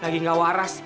lagi gak waras